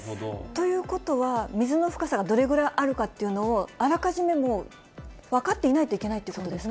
ということは、水の深さがどれぐらいあるかっていうのを、あらかじめもう分かっていないといけないということですか。